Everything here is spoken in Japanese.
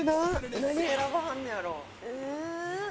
何選ばはんのやろ？